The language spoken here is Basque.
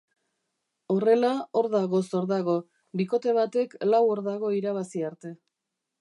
Horrela, hordagoz hordago, bikote batek lau hordago irabazi arte.